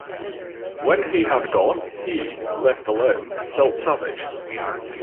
When he had gone, he, left alone, felt savage.